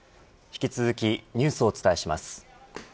引き続きニュースをお伝えします。